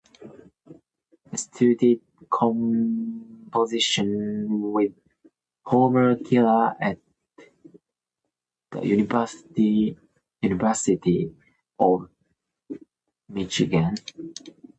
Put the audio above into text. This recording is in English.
He studied composition with Homer Keller at the University of Michigan.